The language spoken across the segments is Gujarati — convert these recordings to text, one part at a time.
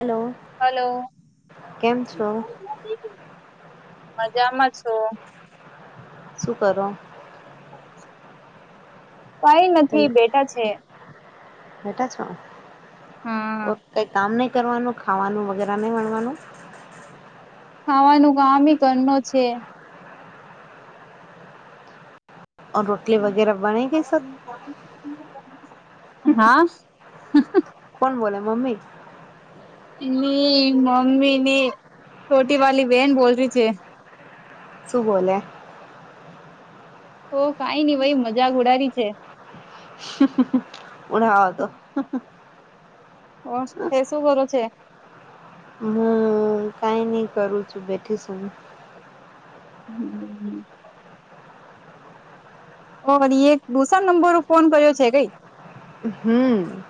હાલો. હલો મજામાં છું. શું કરો. કંઈ હેલો, નથી બેઠા છે. બેઠા છો હા ઓર કંઈ કામ નહીં. કરવાનું ખાવાનું વગેરે નહીં વણવાનું. ખાવાનું કામ ઈ કરનું છે. ઓર રોટલી વગેરે બની ગઈ સબ હા. કોણ બોલે મમ્મી. ની મમ્મીની છોટી વાલી બેહેન બોલ રહી છે. શું બોલે. ઓ કંઈ નઈ ભાઈ મજાક ઉડારી છે. હમ હમ હમ ઉડાવવા દો [unintelligible] ઓહ તે શું કરો છે. હું કંઈ નહી કરું છું બેઠીશું. હમ્મ હામ. ઓ એક દુસરા નંબર પર ફોન કર્યો છે કંઈ. હમ્મ.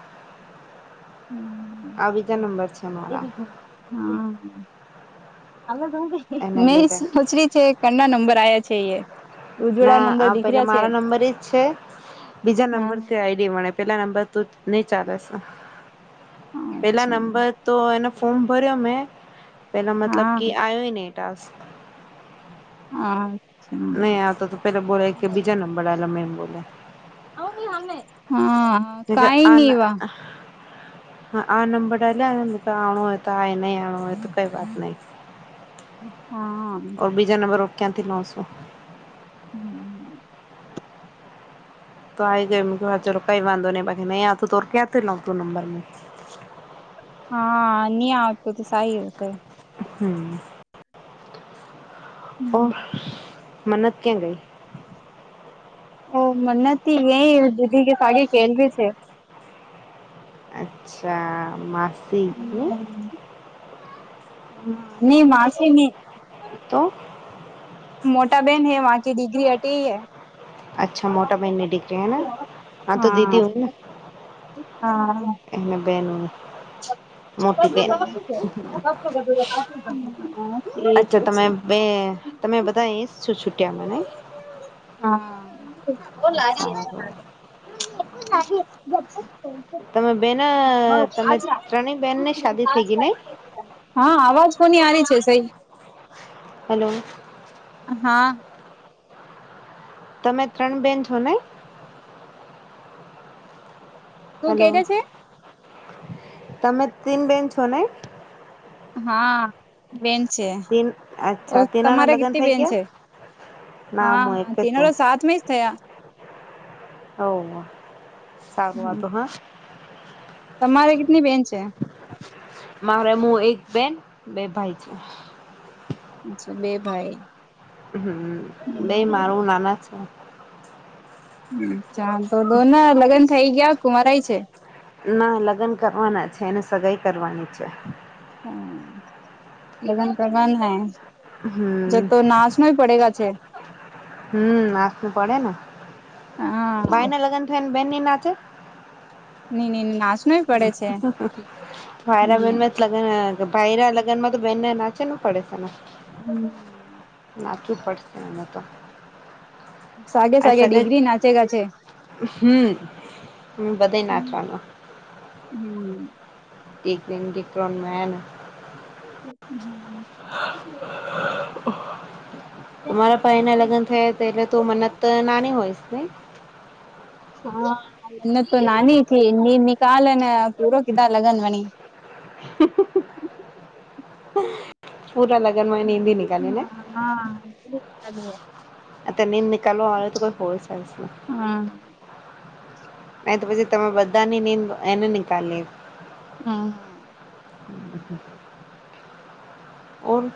હમ્મ. આ બીજા નંબર છે મારા. હા હવે એને મે લીધે સોચરી છે પહેલા નંબર નંબર આવ્યા છે એ. ઉજળા ના નંબર આ દીખ પેલા રહ્યા છે મારા નંબર એજ છે બીજા હા નંબરથી આઈડી મળે પેલા નંબર તો નહીં ચાલે છે પેલા અચ્છા નંબર તો એને ફોર્મ ભર્યો મેં પેલા મતલબ હા કે આવ્યોય નહીં ટાસ્ક. હા. નહીં આતો તો પેલા બોલે કે બીજા નંબર દળો મેમ બોલે. [unintelligible] હા હા કઈ ની વા. હા આ નંબર ડાલ્યા આપણે હોય તોઆ નહીં આવ હોય તો કંઈ વાત નહીં. [unintelligible] ઓર બીજા નંબરઓ ક્યાંથી લાવું છું. હમ્મ. તો આઈ ગયો ચાલો કંઈ વાંધો નહીં એ નહીં આ તો ક્યા નવ તું નંબર. હા ન્યા આવતોતો સાઈ [unintelligible] હમ્મ. ઓ મન્નત ક્યાં ગઈ. ઓહ [unintelligible] એ દુધી કે પાડી કેલરી છે. અચ્છા માસી કી. હ ની માસી ની તો. મોટા બહેન હૈ વહં કે ડિગ્રી હટી હૈ. અચ્છા મોટા બહેન ની દીકરી હેના હા તો દીદી હો ને. [inaudible] હા મોટી બેન [inaudible] અચ્છા તમે બે [inaudible] તમે બધા એ અહીયાં જ છુટીયા મનાયી? લારી સારું [inaudible] તમે બેન તમે ત્રણેય બેન ને શાદી થઈ ગઈ ને હા અવાજ કોની આારી છે સઈ? હલો હા તમે ત્રણ બેન છો ને? શું હેલો કેટે છે તમે તીન બેન છો ને? હા બેન છે તીન ઓ અચ્છા તીનાના તમારે લગ્ન કેટલી થઈ બેન ગયા છે? ના હું એક હા જ તેના તો છું સાત મે જ થયા ઓ સારું વા હમ હત હા તમારે કેટલી બેન છે? મારે હું એક બેન બે ભાઈ છે. અચ્છા બે ભાઈ હમ બે મારું નાના છે. અચ્છા તો દો ના લગ્ન થઇ ગયા કુવારાય છે? ના લગ્ન કરવાના છે એને સગાાઈ કરવાની છે. હા લગન કરવાના હૈ હમ જતો નાશ પડેગા છે. હમ નાચુ પડે ને હા ભાઈ ના લગ્ન થઈ ને બેન ની નાચે [inaudible] છે માયરા હમ બેન [inaudible] ભાઈના લગનમાં તો બેનને નાચુ જ પડે છે ને હમ નાચવું પડશે એને તો સાગે આ સાગે સગા ડિગ્રી નાચે ગાચે હમ હ બધાય નાચવાનું. હમ [unintelligible] [inaudible] [inaudible] તમારા ભાઈ ના લગ્ન થયા હતા એટલે તું મન્નત નાની હોય શ ની? હા મનત તો નાની થીની નિકાલ અને પૂરો કીધાર લગન વણી [inaudible] પૂરા લગ્નમાં એ હા [inaudible] એ તે નિમ નિકાલ [inaudible] હા નહી તો પછી તમે બધા ની નીંદ એને નિકાલ લી હા હા [inaudible] ઓર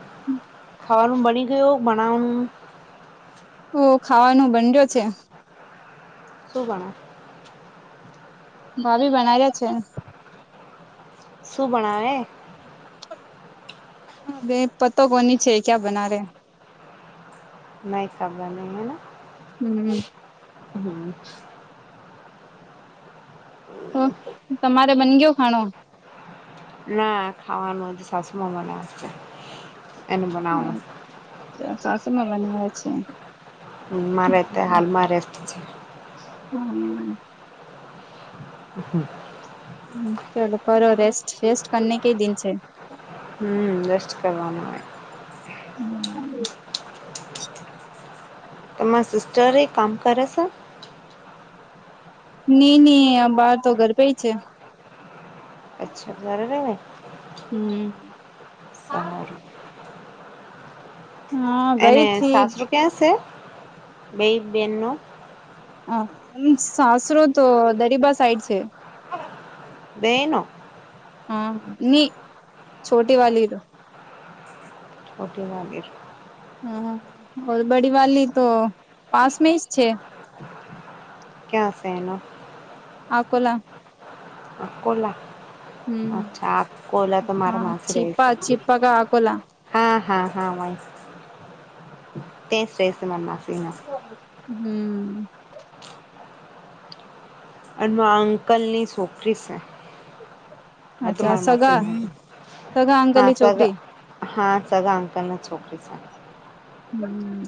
ખાવાનું બની ગયું બનાવાનું? ઓ ખાવાનું બનડ્યો છે. શું બનાવ? ભાભી બનાવ્યા છે. શું બણાવે? બે પતો કોની છે ક્યાં બના રહે? નઇ ખબર ની હે ને હમ હમ તમારે બન ગયો ખાણો [unintelligible] ના ખાવાનું જ સાસમાં બનાવશે એનું બનાવાનું સાસુમાં બનાવે છે. હ મારે અત્યારે હાલમાં રેસ્ટ છે. હમ [inaudible] હમ ચલો કરો રોસ્ટ રેસ્ટ કરને કે દિન છેે હમ રસ્ટ કરવાનું હોય હમ તમારે સીસ્ટર એ કામ કરે છે ની ની આ બાર તો ગરભે છે અચ્છા ઘરે રેવે હમ સારું હા ગઈ એને થી સાસરુ ક્યાં છે? બે બેન નું હ સાસરો તો દરિબા સાઈડ છે. બેનો હા ની છોટી વાલીનો છોટી વાલી હમ ઓર બડી વાલી તો પાસમે જ છે. ક્યાશે એનો? આકોલા આકોલા અચ્છા. આકોલા તો મારા હા માસી રહે છીપા છે. છીપા કા અકોલા હા હા હા વાય તે જ રહેશે માંર માસીનું હમ અનમા અંકલ ની છોકરી છે. અ ત અચ્છા મારા સગા માશી સગા હા અંકલની સગા છોકરી હા સગા અંકલના છોકરી છે. હમ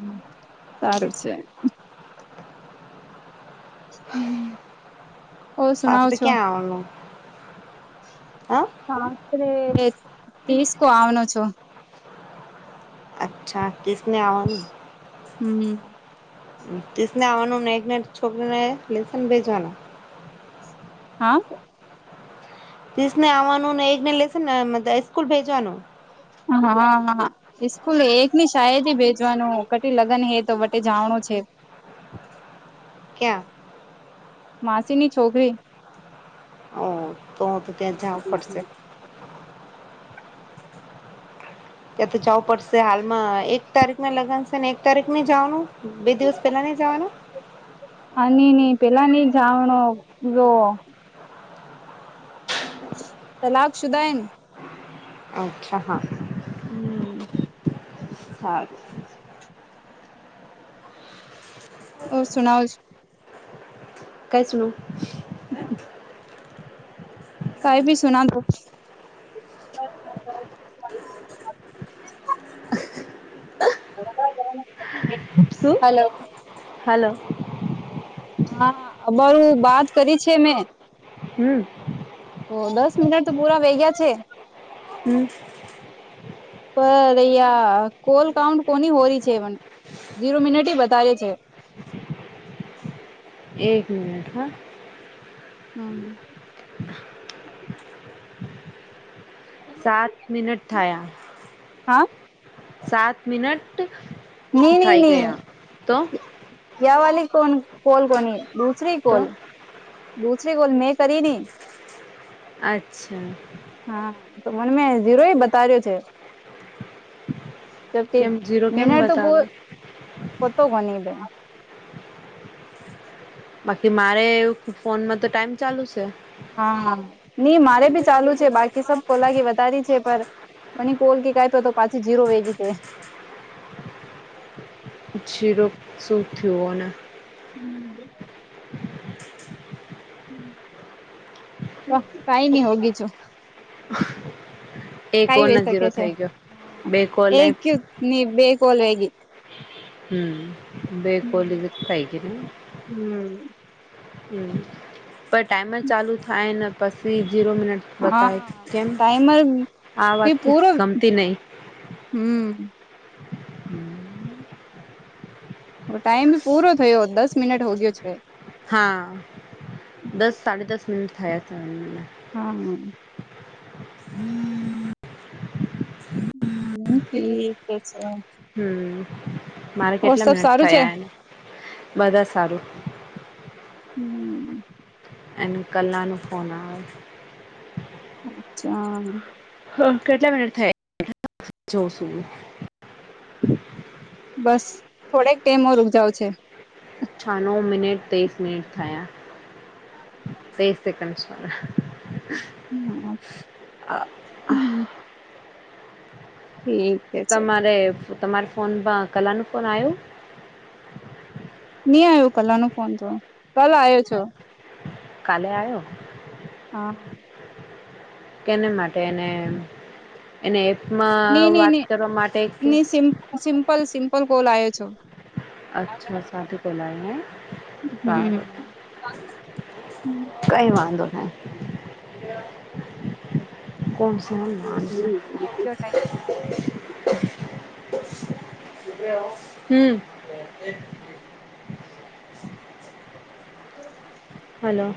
સારું છે. હમ સાસરે ક્યાં આવનું? અ સાસરે તીસકો આવનો છો. અચ્છા કિસને આવાનું. હમ તીસને આવાનું ને છોકરીને લેસન ભેજવાનું હા ત્રીસ ને આવાનું ને એકને લેશે ને સ્કૂલ ભેજવાનું? હાહા હા હા ઇસકૂલે એક ની શાયથી ભેજવાનું કટ લગ્ન હે તો વટે જાવાણું છે. ક્યા? માસી ની છોકરી. ઓ તો તો ત્યાં જાવું પડશે. ત્યાં તો જાવું પડશે. હાલમાં એક તારીખને લગનશે ને એક તારીખ ને જાવાનું બે દિવસ પેલા ની જાવાનું? આ ની ની પેલા ની જાવણો જો તલાક શુદા એન અચ્છા હા હમ હારું [inaudible] ઓ સુનાઓ જ કઈ સુનું કઈ ભી સુનાં દો શું હલો. હલો. હા બવ વાત કરી છે મેં હમ. ઓ દસ મિનટ તો પુરા વયગયા છે. હમ. પર અહીયા કોલ કાઉન્ટ કોની હોરી છે ઝીરો મિનિટ બતાવે છે. એક મિનટ હા હમ. [inaudible] સાત મિનટ થયા હા સાત મિનટ નહી નહી થઈ નહી ગયા તો યા વાલી કોણ કોલ કોની દૂસરી તો કોલ દુસરી કોલ મેં કરીને અચ્છા. હા તો મને મેં ઝીરો એ બતાવ્યો છે. જબ કે કેમ જીરો કેમ મિનટ તો બ બતાવે પોતો કો ન બે બાકી મારે ફોનમાં તો ટાઈમ ચાલુ છે. હા નહી મારે ભી ચાલુ છે બાકી સબ કોલાગી વધારી છે પર પણ કોલ કે કઈ પ તો પાછી જીરો વેગી છે. જીરો શું થયોને હમ. કઈ નહી હોગી છું. એ કો કઈ ન વઈ શકે જીરો થઈ ગયો બે કોલ લે ન બે કોલ વેગી હમ બેકોલી જ થઈ ગી ન હમ હમ પણ ટાઈમ જ ચાલુ થાય ને પછી જીરો મિનિટ બતાય હા કેમ ટાઈમર આ વાત બી પૂરો ગમતી નહી. હમ. ટાઈમ પૂરો થયો દસ મિનટ હો ગયો છે. હા દસ સાડા દસ મિનિટ થયા છે એને હા. હમ ઠીક છે. હમ મારે ઓર કેટલા સબ મિનટ સારું છે થયા એને બધા સારું હમ. એનું કલાનું ફોન અચ્છા. હ કેટલા મિનિટ થઈ જોવ છું હું બસ થોડેક ટેમ ઓ ર ઉકજાવ છે. છા નવ મિનિટ ત્રેસ મિનિટ થયા તેસ [unintelligible] હમ હમ. હે તમારે તમારા ફોનમાં કલાનું ફોન આયો નહી આવ્યું કલા નો ફોન તો કલ આવ્યો છો કાલે આયો હા. કેને માટે અને, એને ની એપમાં ની વાત ની કરવા માટે એક છે. ની સિમ્પલ સિમ્પલ ગલ આવ છો. અચ્છા સાથેથી સારું. હમ કઈ વાંધો નહી. કોમ સમ નામ છે. ટાઈમ હમમ. [unintelligible] હમ. હલો.